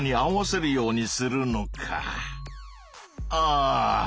ああ！